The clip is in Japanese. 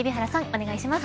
お願いします。